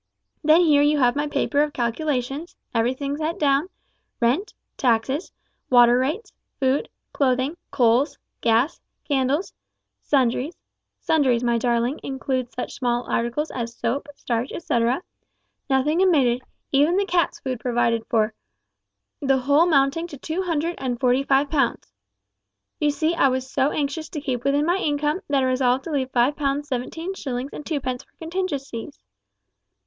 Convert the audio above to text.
Then here you have my paper of calculations everything set down rent, taxes, water rates, food, clothing, coals, gas, candles, sundries (sundries, my darling, including such small articles as soap, starch, etcetera); nothing omitted, even the cat's food provided for, the whole mounting to two hundred and forty five pounds. You see I was so anxious to keep within my income, that I resolved to leave five pounds seventeen shillings and two pence for contingencies.